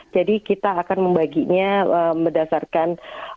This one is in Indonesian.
jadi kita akan membaginya berdasarkan